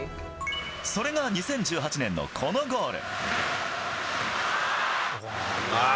それが２０１８年のこのゴール。